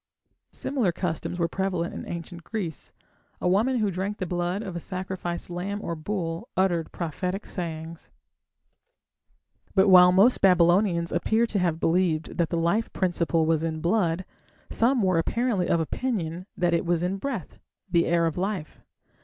Similar customs were prevalent in Ancient Greece. A woman who drank the blood of a sacrificed lamb or bull uttered prophetic sayings. But while most Babylonians appear to have believed that the life principle was in blood, some were apparently of opinion that it was in breath the air of life.